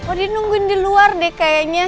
oh di nungguin di luar deh kayaknya